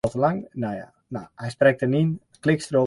Syn argewaasje wie ferdwûn en ek de wurgens fan de saterdeitemoarn.